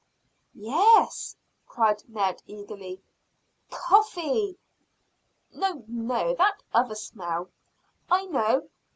"Yes," cried Ned eagerly. "Coffee." "No, no; that other smell. I know!